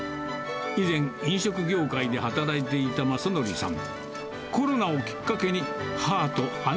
以前、飲食業界で働いていた雅紀さん。